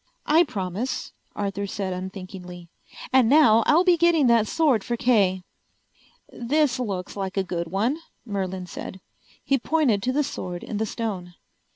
"I promise," Arthur said unthinkingly. "And now I'll be getting that sword for Kay." "This looks like a good one," Merlin said. He pointed to the sword in the stone.